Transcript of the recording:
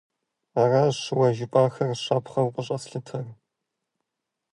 Аращ уэ жыпӀахэр щапхъэу къыщӀэслъытар.